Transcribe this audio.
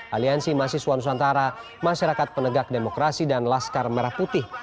aliansi mahasiswa nusantara masyarakat penegak demokrasi dan laskar merah putih